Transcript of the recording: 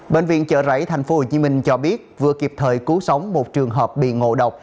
bệnh viện chợ rẫy tp hcm cho biết vừa kịp thời cứu sống một trường hợp bị ngộ độc